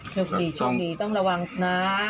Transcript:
โชคดีโชคดีต้องระวังนะ